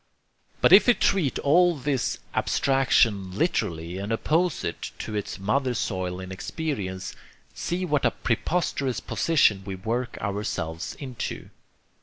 But if we treat all this abstraction literally and oppose it to its mother soil in experience, see what a preposterous position we work ourselves into.